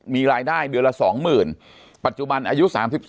มีรายได้เดือนละ๒๐๐๐ปัจจุบันอายุ๓๒